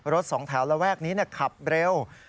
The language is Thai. สองแถวระแวกนี้ขับเร็ว